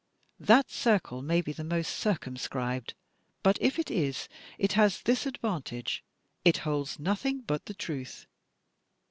That circle may be the most circumscribed, but if it is, it has this advantage — it holds nothing but the truth!